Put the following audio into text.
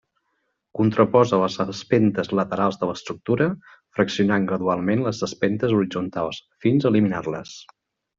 Contraposa les espentes laterals de l'estructura, fraccionant gradualment les espentes horitzontals fins a eliminar-les.